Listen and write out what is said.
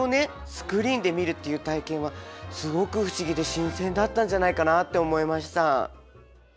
スクリーンで見るっていう体験はすごく不思議で新鮮だったんじゃないかなって思いました。